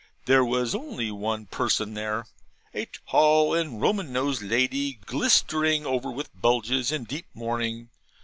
There was only one person there; a tall and Roman nosed lady, glistering over with bugles, in deep mourning.